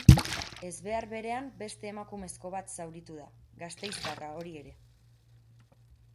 Ezbehar berean beste emakumezko bat zauritu da, gasteiztarra hori ere.